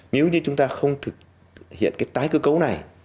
nếu như chúng ta không thực hiện cái tái cơ cấu này